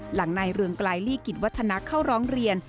หลังนายเรืองไกลลี่กิจวัฒนะเข้าร้องเรียน